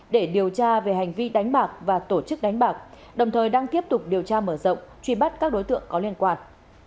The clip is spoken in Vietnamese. để điều tra về hành vi đánh bạc và tổ chức đánh bạc đồng thời đang tiếp tục điều tra mở rộng truy bắt các đối tượng có liên quan